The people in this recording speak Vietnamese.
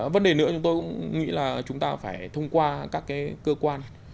vấn đề nữa chúng tôi cũng nghĩ là chúng ta phải thông qua các cái cơ quan